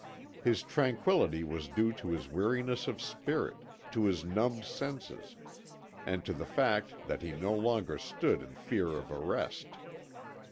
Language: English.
His tranquillity was due to his weariness of spirit, to his numbed senses, and to the fact that he no longer stood in fear of arrest.